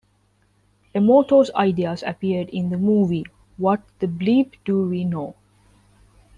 Emoto's ideas appeared in the movie "What the Bleep Do We Know!?".